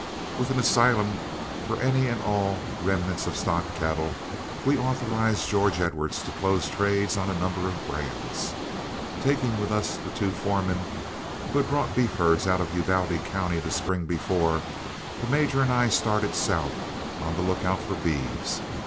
With an asylum for any and all remnants of stock cattle, we authorized George Edwards to close trades on a number of brands. Taking with us the two foremen who had brought beef herds out of Uvalde County the spring before, the major and I started south on the lookout for beeves.